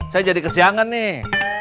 saya jadi kesiangan nih